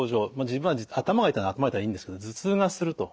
自分は頭が痛いなら頭が痛いでいいんですけど頭痛がすると。